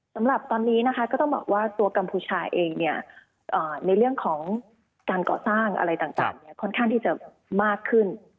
สำหรับตอนนี้นะคะก็ต้องบอกว่าตัวกัมพูชาเองในเรื่องของการก่อสร้างอะไรต่างค่อนข้างที่จะมากขึ้น